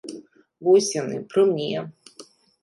Вось яны, пры мне.